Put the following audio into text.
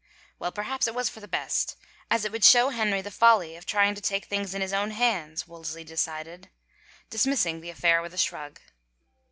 Well, perhaps it was for the best, as it would show Henry the folly of trying to take things in his own hands, Wolsey decided, dismissing the affair with a shrug.